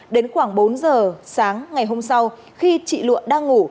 đến khoảng bốn giờ sáng ngày hôm sau khi chị lụa đang ngủ